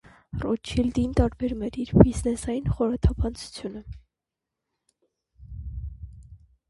Ռոտշիլդին տարբերում էր իր բիզնեսային խորաթափանցությունը։